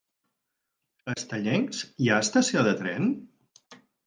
A Estellencs hi ha estació de tren?